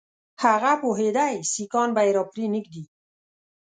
هغه پوهېدی سیکهان به یې را پرې نه ږدي.